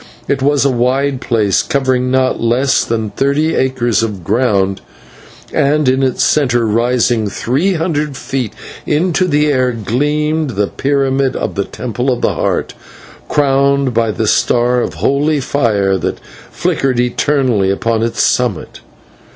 It was a wide place, covering not less than thirty acres of ground, and in its centre, rising three hundred feet into the air, gleamed the pyramid of the Temple of the Heart, crowned by the star of holy fire that flickered eternally upon its summit.